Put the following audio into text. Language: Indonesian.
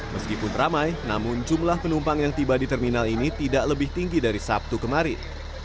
meskipun ramai namun jumlah penumpang yang tiba di terminal ini tidak lebih tinggi dari sabtu kemarin